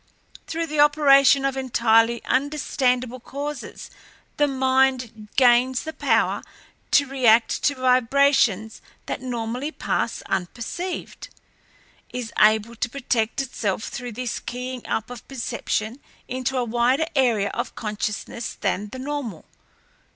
"Through the operation of entirely understandable causes the mind gains the power to react to vibrations that normally pass unperceived; is able to project itself through this keying up of perception into a wider area of consciousness than the normal.